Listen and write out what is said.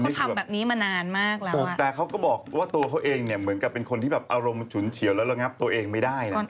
แต่เค้าก็บอกว่าตัวเขาเองเนี่ยเหมือนเป็นคนที่แบบอารมณ์ฉุนเฉียวและระงับตัวเองไม่ได้อะ